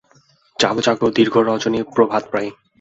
জাগো, জাগো, দীর্ঘ রজনী প্রভাতপ্রায়।